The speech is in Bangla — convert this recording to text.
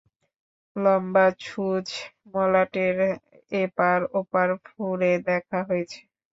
লম্ববা ছুঁচ মলাটের এপার-ওপার ফুড়ে দেখা হয়েছে।